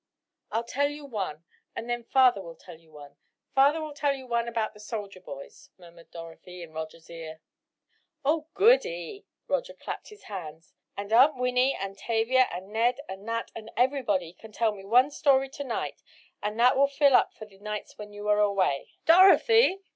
"I'll tell you one and then father will tell one; father will tell one about the soldier boys," murmured Dorothy in Roger's ear. "Oh, goody," Roger clapped his hands; "and Aunt Winnie and Tavia and Ned and Nat and everybody can tell me one story to night and that will fill up for all the nights while you are away!" "Dorothy!"